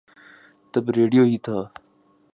تب ریڈیو ہی تھا۔